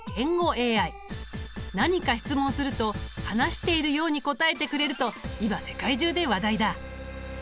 何か質問すると話しているように答えてくれると今世界中で話題だ。